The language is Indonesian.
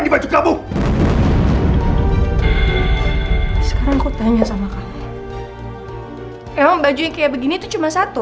baju yang kayak begini tuh cuma satu